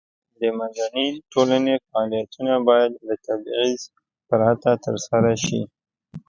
د مدني ټولنې فعالیتونه باید له تبعیض پرته ترسره شي.